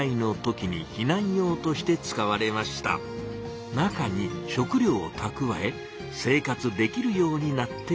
中に食料をたくわえ生活できるようになっていました。